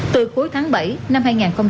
từ cuối tháng bảy năm hai nghìn hai mươi